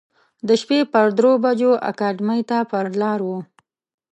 د شپې پر درو بجو اکاډمۍ ته پر لار و.